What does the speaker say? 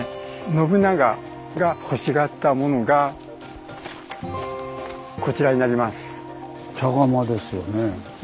信長がほしがったモノがこちらになります。